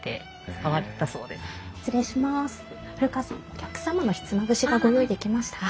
お客様のひつまぶしがご用意できました。